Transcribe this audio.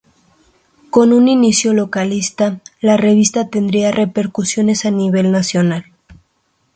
Con un inicio localista, la revista tendría repercusión a nivel nacional.